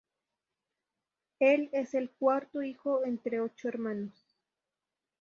Él es el cuarto hijo entre ocho hermanos.